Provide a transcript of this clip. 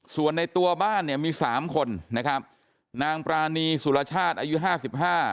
ส่วนในตัวบ้านเนี่ยมีสามคนนะครับนางปรานีสุรชาติอายุห้าสิบห้า